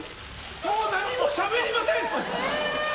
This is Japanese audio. もう何もしゃべりません！